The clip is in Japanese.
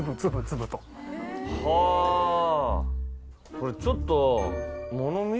それちょっと。